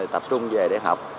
tập trung về để học